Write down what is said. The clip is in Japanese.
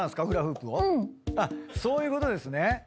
そういうことですね。